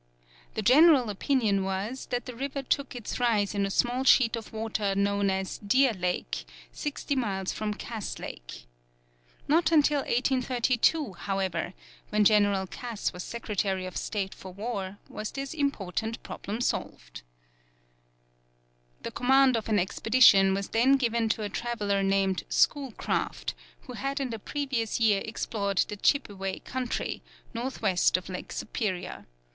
The general opinion was that the river took its rise in a small sheet of water known as Deer Lake, sixty miles from Cass Lake. Not until 1832, however, when General Cass was Secretary of State for war, was this important problem solved. The command of an expedition was then given to a traveller named Schoolcraft, who had in the previous year explored the Chippeway country, north west of Lake Superior.